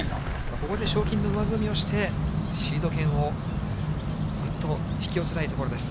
ここで賞金の上積みをして、シード権をぐっと引き寄せたいところです。